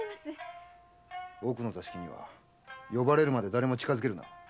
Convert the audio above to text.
奥の座敷には呼ばれるまで誰も近づけるな。